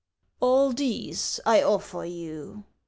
" All these I offer you."